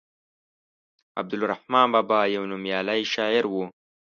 عبدالرحمان بابا يو نوميالی شاعر وو.